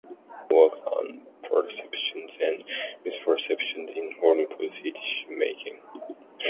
He has worked on perceptions and misperceptions in foreign policy decision making.